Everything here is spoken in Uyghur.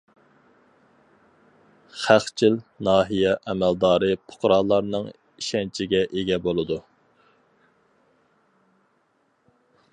خەلقچىل ناھىيە ئەمەلدارى پۇقرالارنىڭ ئىشەنچىگە ئىگە بولىدۇ.